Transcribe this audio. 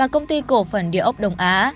công ty cổ phần điều ốc đông á